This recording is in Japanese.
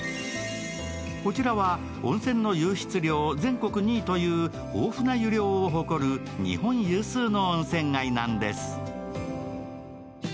こちらは温泉の湧出量全国２位という豊富な湯量を誇る日本有数の温泉街なんです。